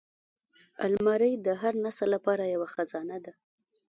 الماري د هر نسل لپاره یوه خزانه ده